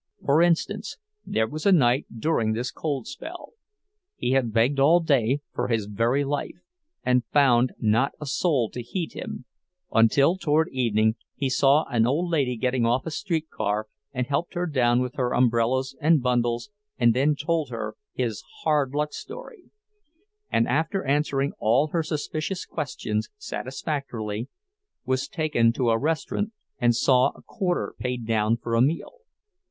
For instance, there was a night during this cold spell. He had begged all day, for his very life, and found not a soul to heed him, until toward evening he saw an old lady getting off a streetcar and helped her down with her umbrellas and bundles and then told her his "hard luck story," and after answering all her suspicious questions satisfactorily, was taken to a restaurant and saw a quarter paid down for a meal.